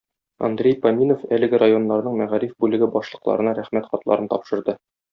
Андрей Поминов әлеге районнарның мәгариф бүлеге башлыкларына рәхмәт хатларын тапшырды.